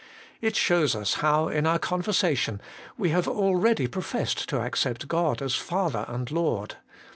It shows us how in our conversion we have already professed to accept God as Father and Lord.